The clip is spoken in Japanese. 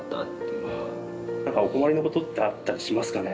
なんかお困りのことってあったりしますかね。